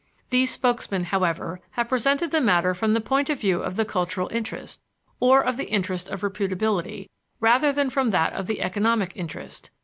These spokesmen, however, have presented the matter from the point of view of the cultural interest, or of the interest of reputability, rather than from that of the economic interest.